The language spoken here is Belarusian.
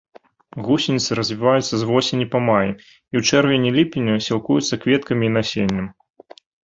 Гусеніцы развіваюцца з восені па май і ў чэрвені-ліпені, сілкуюцца кветкамі і насеннем.